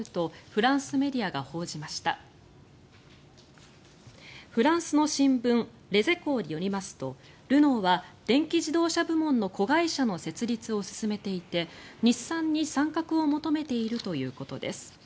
フランスの新聞レゼコーによりますとルノーは電気自動車部門の子会社の設立を進めていて日産に参画を求めているということです。